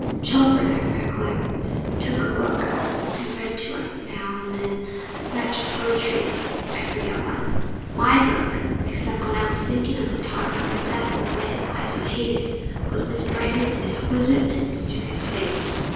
Chelford, I recollect, took a book, and read to us now and then, a snatch of poetry I forget what. My book except when I was thinking of the tarn and that old man I so hated was Miss Brandon's exquisite and mysterious face.